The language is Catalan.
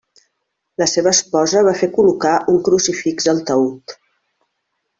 La seva esposa va fer col·locar un crucifix al taüt.